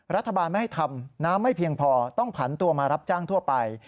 รัฐบาลไม่ให้ทำน้ำไม่เพียงพอต้องผันตัวมารับจ้างทั่วไป